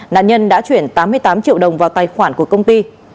nạn nhân đã chuyển tám mươi tám triệu đồng vào tài khoản của công ty